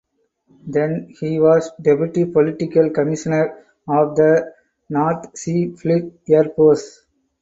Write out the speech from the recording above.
Then he was Deputy Political Commissar of the North Sea Fleet Air Force.